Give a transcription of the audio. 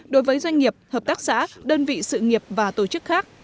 đối với doanh nghiệp hợp tác xã đơn vị sự nghiệp và tổ chức khác